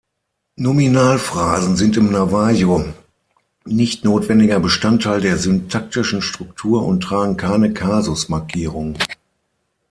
Nominalphrasen sind im Navajo nicht notwendiger Bestandteil der syntaktischen Struktur und tragen keine Kasus-Markierung.